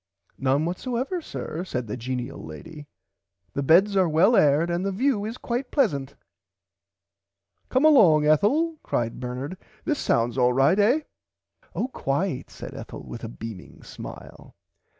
None whatever sir said the genial lady the beds are well aired and the view is quite pleasant. Come along Ethel cried Bernard this sounds alright eh. Oh quite said Ethel with a beaming smile.